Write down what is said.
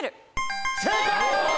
正解！